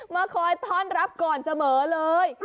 มาคอยต้อนรับก่อนเสมอเลย